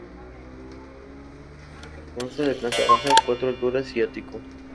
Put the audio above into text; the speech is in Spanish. Consta de planta baja, cuatro alturas y ático.